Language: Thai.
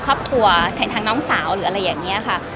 ครอบครัวแข่งทางน้องสาวหรืออะไรอย่างนี้ค่ะ